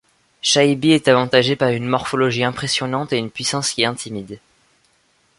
Chaïbi est avantagé par une morphologie impressionnante et une puissance qui intimide.